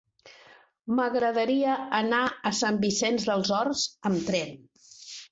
M'agradaria anar a Sant Vicenç dels Horts amb tren.